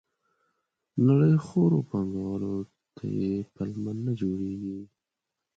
نړیخورو پانګوالو ته یې پلمه نه جوړېږي.